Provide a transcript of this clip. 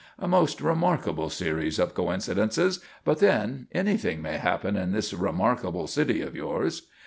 A most remarkable series of coincidences; but then, anything may happen in this remarkable city of yours."